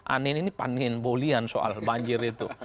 anin ini panin bolian soal banjir itu